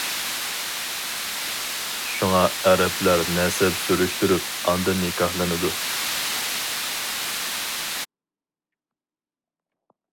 شۇڭا ئەرەبلەر نەسەب سۈرۈشتۈرۈپ، ئاندىن نىكاھلىنىدۇ.